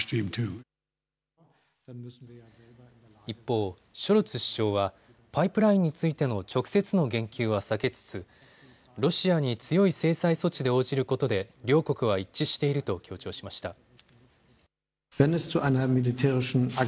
一方、ショルツ首相はパイプラインについての直接の言及は避けつつロシアに強い制裁措置で応じることで両国は一致していると強調しました。